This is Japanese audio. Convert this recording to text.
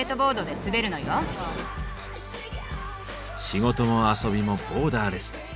仕事も遊びもボーダーレス。